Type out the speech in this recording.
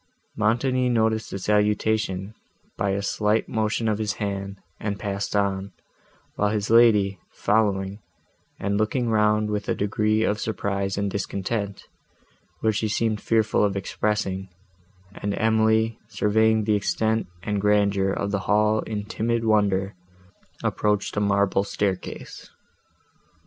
—Montoni noticed the salutation by a slight motion of his hand, and passed on, while his lady, following, and looking round with a degree of surprise and discontent, which she seemed fearful of expressing, and Emily, surveying the extent and grandeur of the hall in timid wonder, approached a marble staircase.